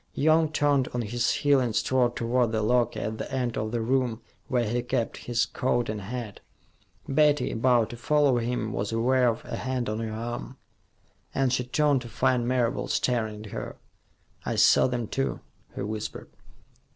Young turned on his heel and strode toward the locker at the end of the room where he kept his coat and hat. Betty, about to follow him, was aware of a hand on her arm, and she turned to find Marable staring at her. "I saw them, too," he whispered.